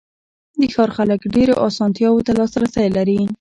د ښار خلک ډېرو آسانتیاوو ته لاسرسی لري.